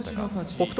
北勝